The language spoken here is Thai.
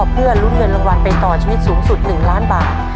เพื่อลุ้นเงินรางวัลไปต่อชีวิตสูงสุด๑ล้านบาท